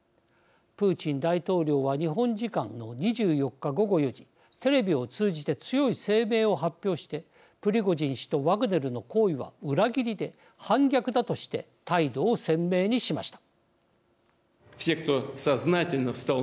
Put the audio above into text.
プーチン大統領は日本時間の２４日午後４時テレビを通じて強い声明を発表してプリゴジン氏とワグネルの行為は裏切りで反逆だとして態度を鮮明にしました。